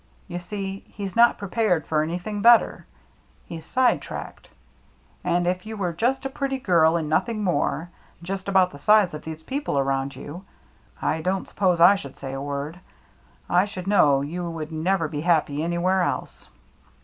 You see, he's not prepared for any thing better; he's side tracked. And if you AT THE HOUSE ON STILTS 85 were just a pretty girl and nothing more, — just about the size of these people around you, — I don't suppose I should say a word ; I should know you would never be happy anywhere else.